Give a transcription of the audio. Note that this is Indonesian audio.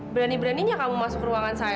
berani beraninya kamu masuk ke ruangan saya